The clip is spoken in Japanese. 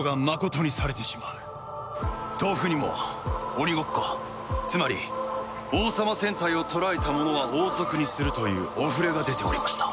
トウフにも鬼ごっこつまり「王様戦隊を捕らえた者は王族にする」というお触れが出ておりました。